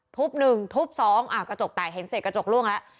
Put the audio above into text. หนึ่งทุบสองกระจกแตกเห็นเสร็จกระจกล่วงแล้ว